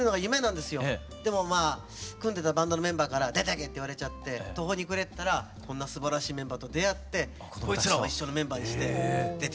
でもまあ組んでたバンドのメンバーから「出てけ」って言われちゃって途方に暮れてたらこんなすばらしいメンバーと出会ってこいつらを一緒のメンバーにして出てやろうと。